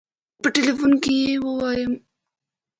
په ټيليفون کې به يې ووايم.